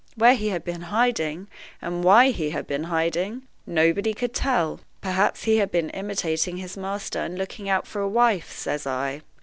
Where he had been hiding, and why he had been hiding, nobody could tell.' 'Perhaps he had been imitating his master, and looking out for a wife,' says I.